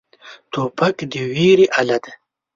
توپک د ویرې اله دی.